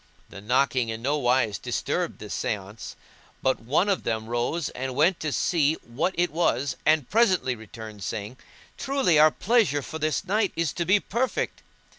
The knocking in no wise disturbed the seance, but one of them rose and went to see what it was and presently returned, saying, "Truly our pleasure for this night is to be perfect."